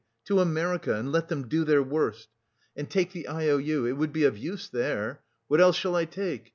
to America, and let them do their worst! And take the I O U... it would be of use there.... What else shall I take?